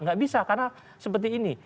nggak bisa karena seperti ini